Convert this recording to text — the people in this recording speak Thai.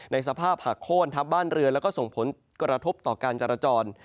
สภาพหักโค้นทับบ้านเรือแล้วก็ส่งผลกระทบต่อการจราจร